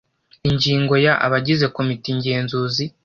ingingo ya abagize komite ngenzuzi